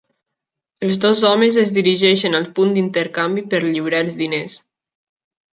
Els dos homes es dirigeixen al punt d'intercanvi per lliurar els diners.